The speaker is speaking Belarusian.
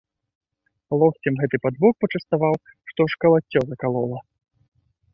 Локцем гэтак пад бок пачаставаў, што аж калаццё закалола.